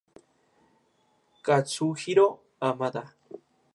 Katsuhiro Hamada